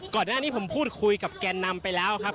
ก่อนหน้านี้ผมพูดคุยกับแกนนำไปแล้วครับ